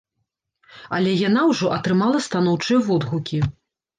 Але яна ўжо атрымала станоўчыя водгукі.